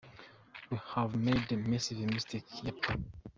we’ve made a massive mistake here pal.